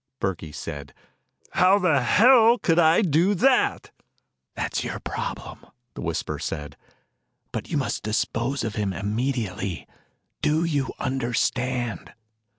Burkey said, "How the hell could I do that?" "That is your problem," the whisperer said. "But you must dispose of him immediately, do you understand?"